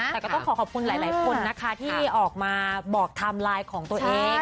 แต่ก็ต้องขอขอบคุณหลายคนนะคะที่ออกมาบอกไทม์ไลน์ของตัวเอง